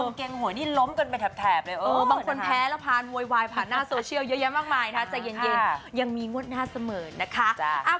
เกงหวยนี่ล้มกันไปแถบเลยบางคนแพ้แล้วผ่านโวยวายผ่านหน้าโซเชียลเยอะแยะมากมายนะใจเย็นยังมีงวดหน้าเสมอนะคะ